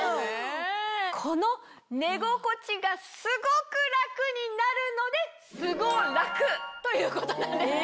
この寝心地がスゴく楽になるのでスゴ楽ということなんですね。